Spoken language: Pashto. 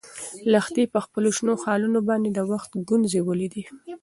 لښتې په خپلو شنو خالونو باندې د وخت ګونځې ولیدې.